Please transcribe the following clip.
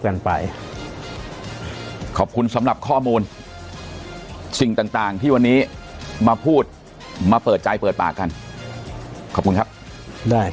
กันไปขอบคุณสำหรับข้อมูลสิ่งต่างต่างที่วันนี้มาพูดมาเปิดใจเปิดปากกันขอบคุณครับได้